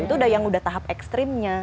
itu udah yang udah tahap ekstrimnya